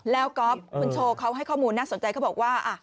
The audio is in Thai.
แล้วก๊อฟคุณโชว์เขาให้ข้อมูลน่าสนใจเขาบอกว่า